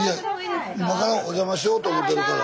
今からおじゃましようと思ってるから。